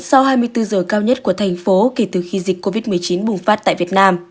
sau hai mươi bốn giờ cao nhất của thành phố kể từ khi dịch covid một mươi chín bùng phát tại việt nam